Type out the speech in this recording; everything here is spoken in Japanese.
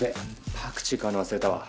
パクチー買うの忘れたわ。